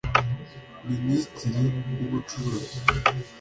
Minisitiri w’ubucuruzi